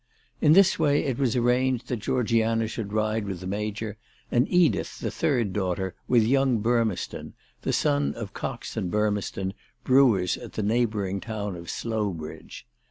In this way it was arranged that Georgiana should ride with the Major, and Edith, the third daughter, with young Burmeston, the son of Cox and Burmeston, brewers at the neighbouring town of Slowbridge.